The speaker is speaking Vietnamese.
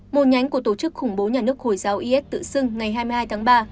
một nhánh của tổ chức khủng bố nhà nước hồi giáo is tự xưng ngày hai mươi hai tháng ba